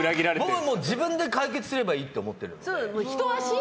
僕は自分で解決すればいいと思ってる。